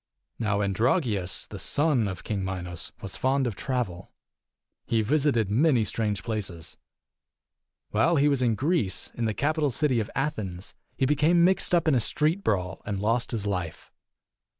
ii. Now Androgeus, the son of King Minos, was fond of travel. He visited many strange places. While he was in Greece, in the capital city of Athens, he became mixed up in a street brawl and lost his life.